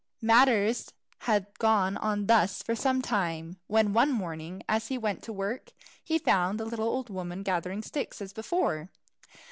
Matters had gone on thus for some time, when one morning, as he went to work, he found the little old woman gathering sticks as before.